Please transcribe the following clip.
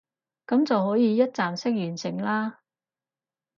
噉就可以一站式完成啦